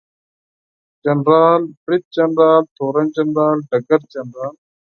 جنرال، بریدجنرال، تورن جنرال ، ډګرجنرال